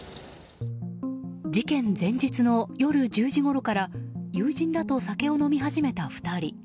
事件前日の夜１０時ごろから友人らと酒を飲み始めた２人。